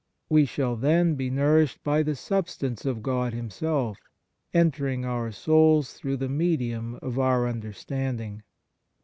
We shall then be nourished by the sub stance of God Himself entering our souls through the medium of our understanding.